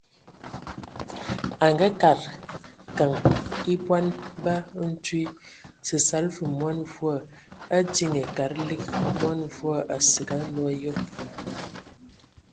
A ngaakəd keŋ e bɔn ba ntwi, səsala və mɔn mvua, a diŋiŋ kad lig mɔn mvua asig a nlo ayob.